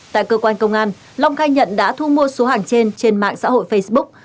tại cơ quan công an long khai nhận đã thu mua số hàng trên trên mạng xã hội facebook